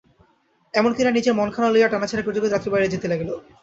এমনি করিয়া নিজের মনখানা লইয়া টানাছেঁড়া করিতে করিতে রাত্রি বাড়িয়া যাইতে লাগিল।